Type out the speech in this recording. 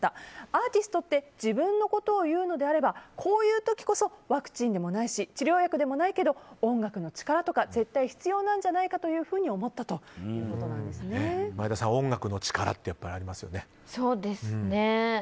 アーティストって自分のことを言うのであればこういう時こそワクチンでもないし治療薬でもないけど音楽の力とか絶対必要なんじゃないかというふうに前田さん、音楽の力ってやっぱりありますよね。